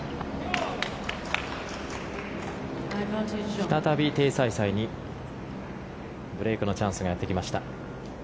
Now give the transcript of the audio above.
再びテイ・サイサイにブレークのチャンスがやってきました。